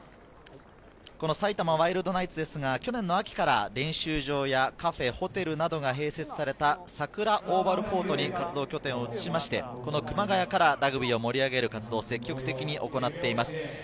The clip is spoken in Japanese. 埼玉ワイルドナイツですが、去年の秋から練習場やカフェ、ホテルなどが併設されたさくらオーバルフォートに活動拠点を移しまして、熊谷からラグビーを盛り上げる活動を積極的に行っています。